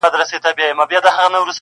وايي تبلیغ دی د کافرانو،،!